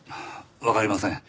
わかりません。